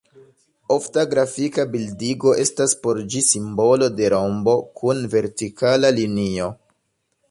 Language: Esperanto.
Ofta grafika bildigo estas por ĝi simbolo de rombo kun vertikala linio.